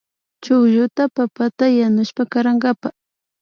Chuklluta papata yanushpa karankapa